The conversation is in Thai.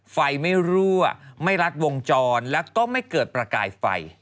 ไฟไม่รั่วไม่รัดวงจรแล้วก็ไม่เกิดประกายไฟ